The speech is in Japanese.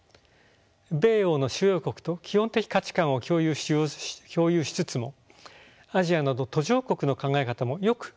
米欧の主要国と基本的価値観を共有しつつもアジアなど途上国の考え方もよく理解できます。